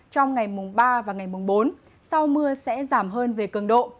trong ngày mùng ba và ngày mùng bốn sau mưa sẽ giảm hơn về cường độ